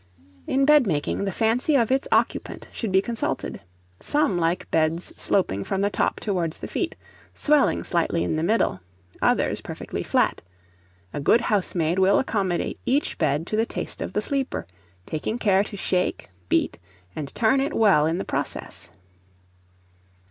In bedmaking, the fancy of its occupant should be consulted; some like beds sloping from the top towards the feet, swelling slightly in the middle; others, perfectly flat: a good housemaid will accommodate each bed to the taste of the sleeper, taking care to shake, beat, and turn it well in the process.